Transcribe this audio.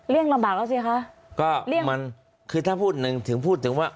เรื่องรำบากแล้วสิคะก็มันคือถ้าพูดหนึ่งถึงพูดถึงว่า